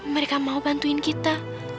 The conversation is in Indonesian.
mereka mau bantuin kita